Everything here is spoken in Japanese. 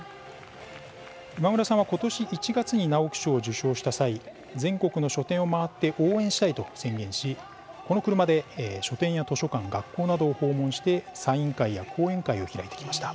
今村さんは今年１月に直木賞を受賞した際全国の書店を回って応援したいと宣言し、この車で書店や図書館学校などを訪問してサイン会や講演会を開いてきました。